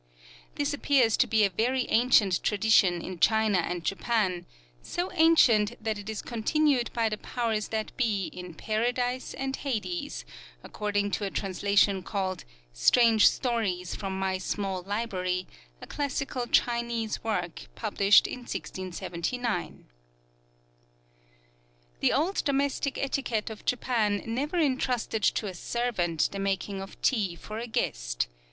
This appears to be a very ancient tradition in China and Japan so ancient that it is continued by the powers that be in Paradise and Hades, according to a translation called "Strange Stories from My Small Library," a classical Chinese work published in 1679. The old domestic etiquette of Japan never intrusted to a servant the making of tea for a guest.